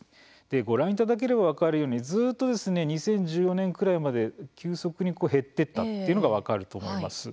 ご覧いただければ分かるようにずっと２０１４年くらいまで急速に減っていったというのが分かると思います。